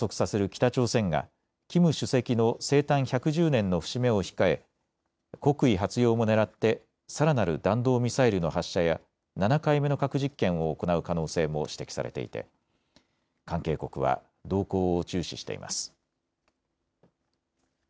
北朝鮮がキム主席の生誕１１０年の節目を控え国威発揚もねらってさらなる弾道ミサイルの発射や７回目の核実験を行う可能性も指摘されていて関係国は動向を注視しています。